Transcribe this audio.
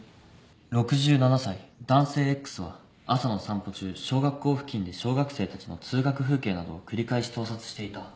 ６７歳男性Ｘは朝の散歩中小学校付近で小学生たちの通学風景などを繰り返し盗撮していた。